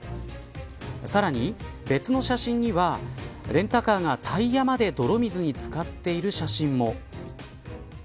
さらに、別の写真にはレンタカーがタイヤまで泥水につかっている写真も。